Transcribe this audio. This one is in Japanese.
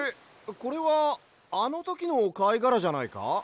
これはあのときのかいがらじゃないか？